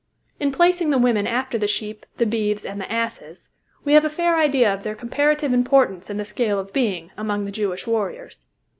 In placing the women after the sheep, the beeves, and the asses, we have a fair idea of their comparative importance in the scale of being, among the Jewish warriors.